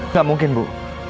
nggak mungkin bu